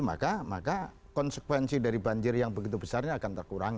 maka konsekuensi dari banjir yang begitu besarnya akan terkurang